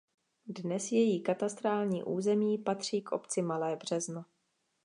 Dnes její katastrální území patří k obci Malé Březno.